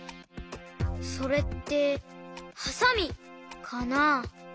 それってはさみかな？